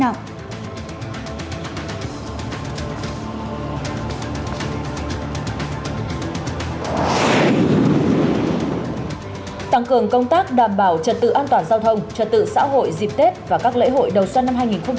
tăng cường công tác đảm bảo trật tự an toàn giao thông trật tự xã hội dịp tết và các lễ hội đầu xuân năm hai nghìn hai mươi